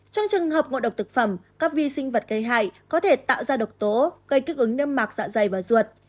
trong trường hợp ngộ độc thực phẩm các vi sinh vật gây hại có thể tạo ra độc tố gây kích ứng nâm mạc dạ dày và ruột